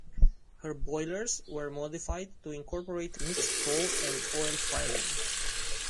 Her boilers were modified to incorporate mixed coal and oil firing.